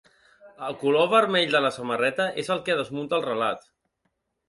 El color vermell de la samarreta és el que desmunta el relat.